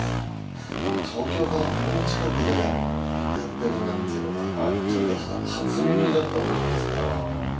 東京からこんな近くでやっているなんていうのがちょっと初耳だったものですから。